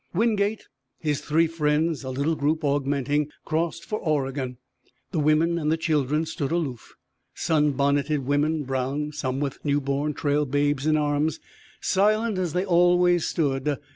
Wingate, his three friends; a little group, augmenting, crossed for Oregon. The women and the children stood aloof, sunbonneted women, brown, some with new born trail babes in arms, silent as they always stood.